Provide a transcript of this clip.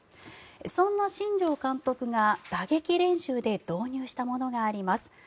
そんな新庄監督が、打撃練習で導入したものがあります。